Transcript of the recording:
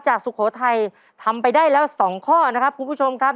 สุโขทัยทำไปได้แล้วสองข้อนะครับคุณผู้ชมครับ